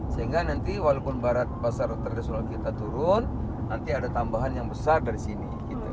sehingga nanti walaupun barat pasar tradisional kita turun nanti ada tambahan yang besar dari sini